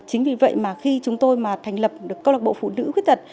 chính vì vậy mà khi chúng tôi mà thành lập được câu lạc bộ phụ nữ khuyết tật